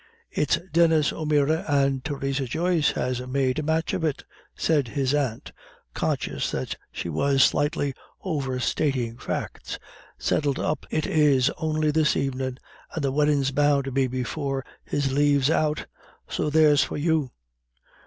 "It's Denis O'Meara and Theresa Joyce has made a match of it," said his aunt, conscious that she was slightly overstating facts; "settled up it is on'y this evenin'. And the weddin's bound to be before his lave's out so there's for you."